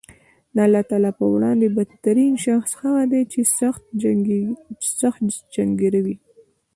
د الله تعالی په وړاندې بد ترین شخص هغه دی چې سخت جنګېره وي